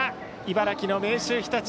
茨城・明秀日立。